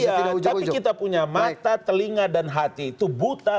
iya tapi kita punya mata telinga dan hati itu buta